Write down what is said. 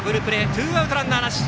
ツーアウトランナーなし。